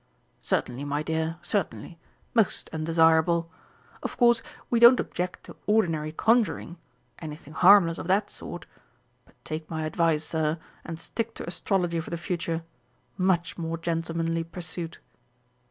"Certainly, my dear, certainly. Most undesirable. Of course, we don't object to ordinary conjuring anything harmless of that sort. But take my advice, Sir, and stick to Astrology for the future much more gentlemanly pursuit!"